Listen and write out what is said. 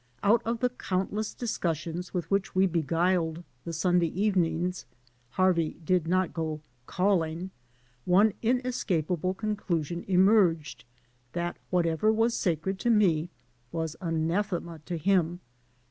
Out of the ooontless discussions with which we beguiled the Sunday evenings (EEarvey did not go ^'calling"), one inescapable conclusk>n esm&rged — that whatever was sacred to me was anathema to him and.